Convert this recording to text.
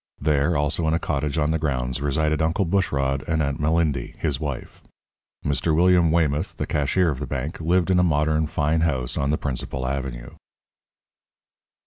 There, also in a cottage on the grounds, resided Uncle Bushrod and Aunt Malindy, his wife. Mr. William Weymouth (the cashier of the bank) lived in a modern, fine house on the principal avenue.